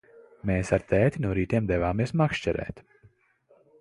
Mēs ar tēti no rītiem devāmies makšķerēt.